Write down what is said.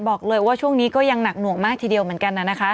บอกเลยว่าช่วงนี้ก็ยังหนักหน่วงมากทีเดียวเหมือนกันนะคะ